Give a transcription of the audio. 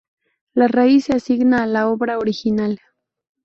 La raíz se asigna a la obra original.